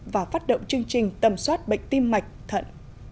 và phát động chương trình tầm soát bệnh tim mạch thận